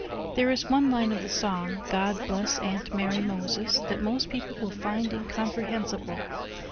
There is one line of the song, "God bless Aunt Mary Moses," that most people will find incomprehensible.